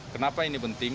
kenapa ini penting